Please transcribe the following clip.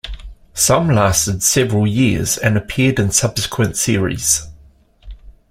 Some lasted several years and appeared in subsequent series.